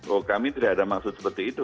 oh kami tidak ada maksud seperti itu